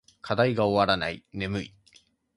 課題が終わらない。眠い。